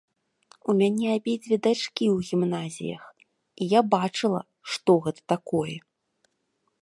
У мяне абедзве дачкі ў гімназіях, і я бачыла, што гэта такое.